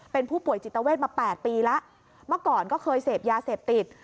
เป็นผู้ป่วยจิตเวทมา๘ปีแล้วเมื่อก่อนก็เคยเสพยาเสพติด